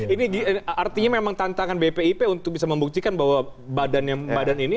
ini artinya memang tantangan bpip untuk bisa membuktikan bahwa badan ini